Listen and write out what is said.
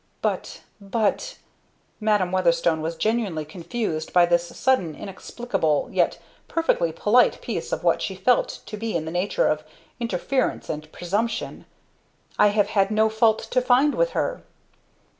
"But! but!" Madam Weatherstone was genuinely confused by this sudden inexplicable, yet perfectly polite piece of what she still felt to be in the nature of 'interference' and 'presumption.' "I have had no fault to find with her."